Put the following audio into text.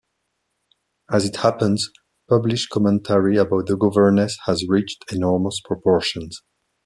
As it happens, published commentary about the governess has reached enormous proportions.